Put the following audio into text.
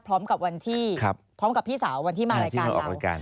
พร้อมกับพี่เสาวันที่มารายการเรา